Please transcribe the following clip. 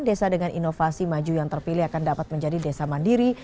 desa dengan inovasi maju yang terpilih akan dapat menjadi desa mandiri